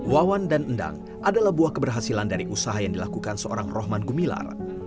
wawan dan endang adalah buah keberhasilan dari usaha yang dilakukan seorang rohman gumilar